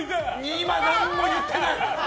今、何も言ってない！